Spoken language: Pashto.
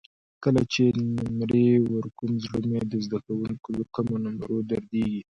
کله چې نمرې ورکوم زړه مې د زده کوونکو له کمو نمرو دردېږي.